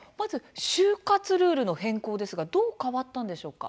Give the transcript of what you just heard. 就活ルールの変更どう変更されたんでしょうか。